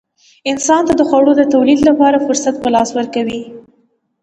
انسان ته د خوړو د تولید لپاره فرصت په لاس ورکوي.